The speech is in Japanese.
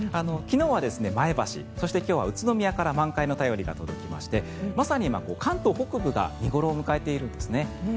昨日は前橋そして今日は宇都宮から満開の便りが届きましてまさに今、関東北部が見頃を迎えているんですね。